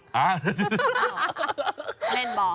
เหม็นแห่งดี